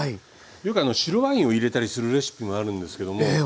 よくあの白ワインを入れたりするレシピもあるんですけどもええ